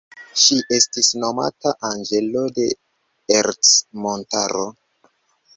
Ŝi estis nomata anĝelo de Ercmontaro.